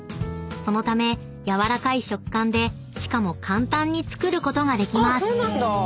［そのためやわらかい食感でしかも簡単に作ることができます］